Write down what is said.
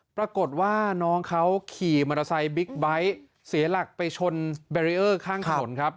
ปรากฏว่าน้องเขาขี่มอเตอร์ไซค์บิ๊กไบท์เสียหลักไปชนแบรีเออร์ข้างถนนครับ